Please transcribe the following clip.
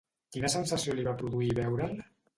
Quina sensació li va produir veure'l?